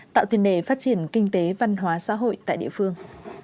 tạo tiền đề phát triển kinh tế văn hóa xã hội tại địa phương